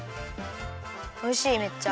おいしいめっちゃ！